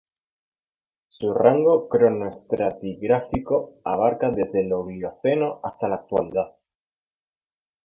Su rango cronoestratigráfico abarca desde el Oligoceno hasta la Actualidad.